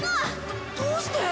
どどうして！？